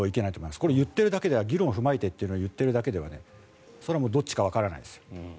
これ、言っているだけじゃ議論を踏まえてって言ってるだけではそれはどっちかわからないです。